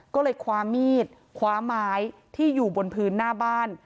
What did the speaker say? ก็เลยคว้ามีดคว้าไม้ที่อยู่บนพื้นหน้าบ้าน